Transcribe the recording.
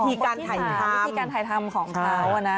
บทที่๓บทที่๔วิธีการถ่ายทำของเขานะ